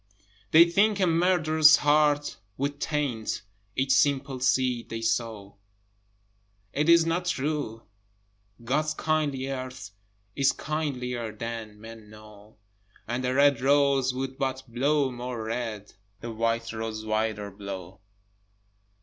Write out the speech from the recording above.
They think a murderer's heart would taint Each simple seed they sow. It is not true! God's kindly earth Is kindlier than men know, And the red rose would but blow more red, The white rose whiter blow.